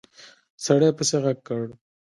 سړي پسې غږ کړ!